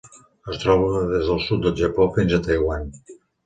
Es troba des del sud del Japó fins a Taiwan.